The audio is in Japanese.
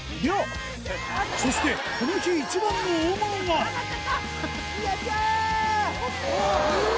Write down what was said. そしてこの日一番の大物がよっしゃ！